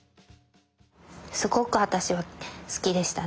すごく私は好きでしたね。